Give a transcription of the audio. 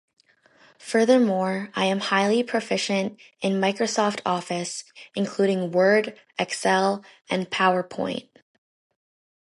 Furthermore, I am highly proficient in Microsoft Office, including Word, Excel, and PowerPoint.